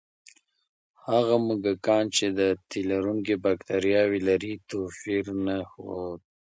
هغه موږکان چې د تیلرونکي بکتریاوې لري، توپیر نه ښود.